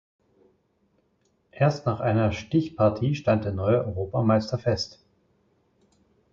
Erst nach einer Stichpartie stand der neue Europameister fest.